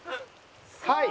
はい。